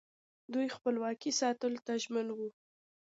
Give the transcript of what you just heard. دوی خپلواکي ساتلو ته ژمن وو